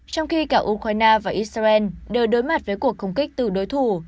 trong khi cả ukraine và israel đều đối mặt với cuộc không kích từ đối thủ